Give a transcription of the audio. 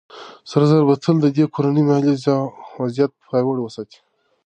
سره زر به تل د دې کورنۍ مالي وضعيت پياوړی وساتي.